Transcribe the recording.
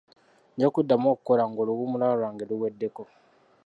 Nja kuddamu okukola ng'oluwummula lwange luweddeko.